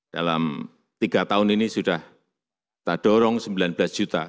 dalam tiga tahun ini sudah kita dorong sembilan belas juta